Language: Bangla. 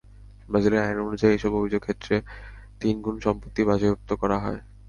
ব্রাজিলের আইন অনুযায়ী এসব অভিযোগের ক্ষেত্রে তিনগুণ সম্পত্তি বাজেয়াপ্ত করা হয়।